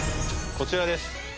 こちらです